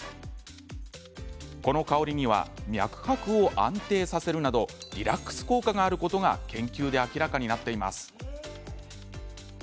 この香りには脈拍を安定させるなどリラックス効果があることが研究で明らかになっています。